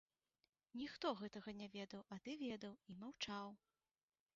Ніхто гэтага не ведаў, а ты ведаў і маўчаў.